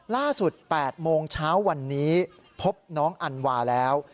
๘โมงเช้าวันนี้พบน้องอันวาแล้ว